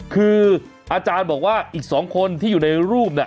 คืออาจารย์บอกว่าอีก๒คนที่อยู่ในรูปน่ะ